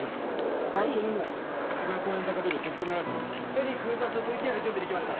ヘリ空撮ＶＴＲ準備できました。